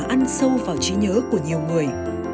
ăn sâu vào trí nhớ của nhiều người